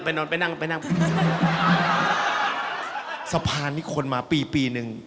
สะพานที่คนนี้คนมาปีนึง